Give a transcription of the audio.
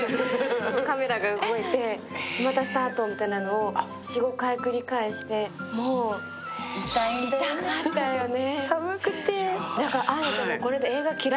カメラが動いて、またスタートみたいなのを４５回繰り返してもう痛かったよね。